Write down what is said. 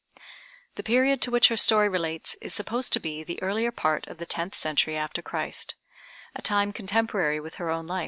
The period to which her story relates is supposed to be the earlier part of the tenth century after Christ, a time contemporary with her own life.